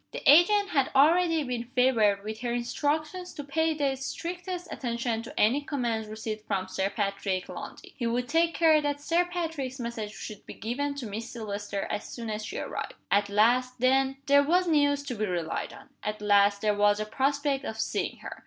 The agent had already been favored with her instructions to pay the strictest attention to any commands received from Sir Patrick Lundie. He would take care that Sir Patrick's message should be given to Miss Silvester as soon as she arrived. At last, then, there was news to be relied on! At last there was a prospect of seeing her!